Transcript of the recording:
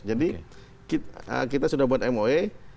jadi kita sudah buat moe